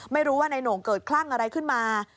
ไม่รู้ว่านายโหน่งเกิดคลั่งอะไรขึ้นมา